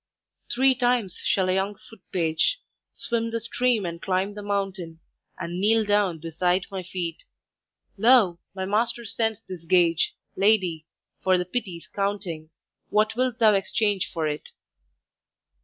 "Three times shall a young foot page Swim the stream and climb the mountain And kneel down beside my feet 'Lo, my master sends this gage, Lady, for thy pity's counting! What wilt thou exchange for it?'